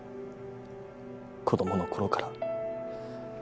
子供の頃から。